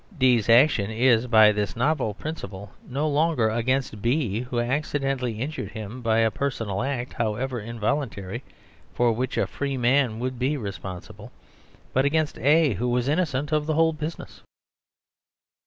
D's action is, by this novel principle, no longer against B, who accidentally injured him by a per sonal act, however involuntary, for which a free man would be responsible, but against A, who was inno cent of the whole business.